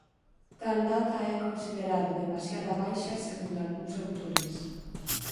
Tal data é considerada demasiada baixa segundo algúns autores.